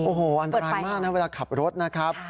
โอ้โหอันตรายมากนะเวลาขับรถนะครับ